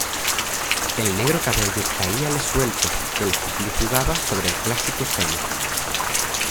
el negro cabello caíale suelto, el hipil jugaba sobre el clásico seno.